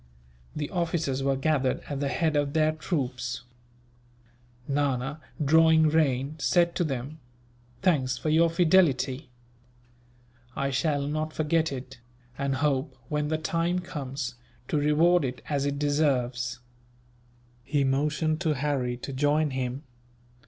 The officers were gathered at the head of their troops. Nana, drawing rein, said to them: "Thanks for your fidelity. I shall not forget it; and hope, when the time comes, to reward it as it deserves." He motioned to Harry to join him.